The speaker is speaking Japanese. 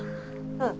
うん。